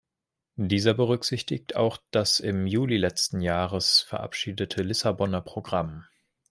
Dieser berücksichtigt auch das im Juli letzten Jahres verabschiedete Lissabonner Programm.